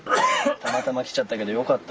たまたま来ちゃったけどよかった